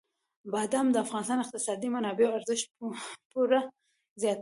بادام د افغانستان د اقتصادي منابعو ارزښت پوره زیاتوي.